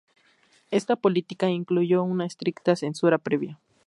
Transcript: Esta política incluyó una estricta censura previa.